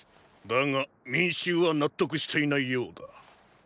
だが民衆は納得していないようだ。